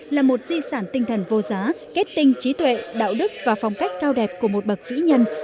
là một di sản tinh thần vô giá kết tinh trí tuệ đạo đức và phong cách cao đẹp của một bậc vĩ nhân